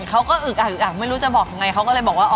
เค้าก็อึกอ่ะอึกอ่ะไม่รู้จะบอกยังไง